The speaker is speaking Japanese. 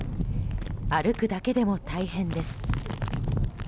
歩くだけでも大変です。